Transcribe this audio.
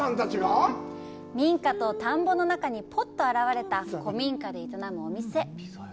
民家と田んぼの中にポッと現れた古民家で営むお店。